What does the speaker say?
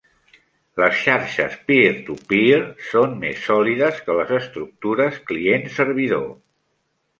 Les xarxes peer-to-peer són més sòlides que les estructures client-servidor.